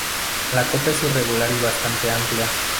La copa es irregular y bastante amplia.